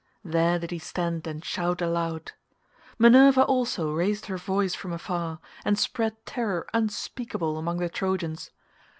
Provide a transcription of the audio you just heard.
There did he stand and shout aloud. Minerva also raised her voice from afar, and spread terror unspeakable among the Trojans.